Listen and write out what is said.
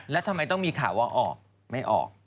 แล้วทำไมต้องมีข่าวว่าออกไม่ออก